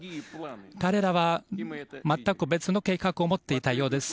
彼らは、全く別の計画を持っていたようです。